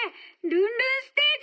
ルンルンステージ？